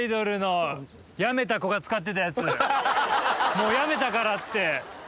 もうやめたからって。